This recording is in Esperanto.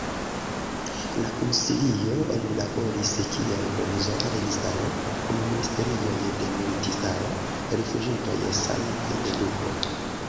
La Konsilio laboris kiel provizora registaro, kun ministerioj de militistaro, rifuĝintoj, sano kaj eduko.